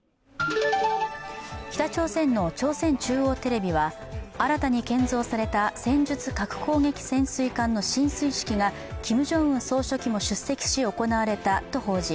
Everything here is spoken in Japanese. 北朝鮮の朝鮮中央テレビは新たに建造された戦術核攻撃潜水艦の進水式がキム・ジョンウン総書記も出席し行われたと報じ